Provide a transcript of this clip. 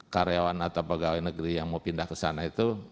karyawan atau pegawai negeri yang mau pindah ke sana itu